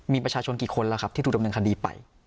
มีประชาชนกี่คนแล้วครับที่ถูกดำเนินคดีไป